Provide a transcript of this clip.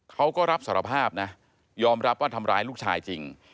เขาก็รับสารภาพนะยอมรับว่าทำร้ายลูกชายจริง